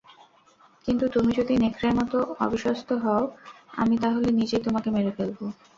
কিন্তু তুমি যদি নেকড়ের মত অবিশ্বস্ত হও, আমি তাহলে নিজেই তোমাকে মেরে ফেলবো।